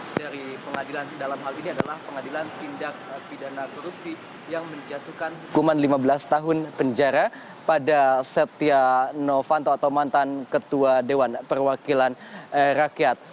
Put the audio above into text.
dari pengadilan dalam hal ini adalah pengadilan tindak pidana korupsi yang menjatuhkan hukuman lima belas tahun penjara pada setia novanto atau mantan ketua dewan perwakilan rakyat